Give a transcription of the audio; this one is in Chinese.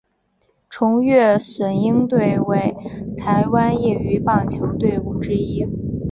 崇越隼鹰队为台湾业余棒球队伍之一。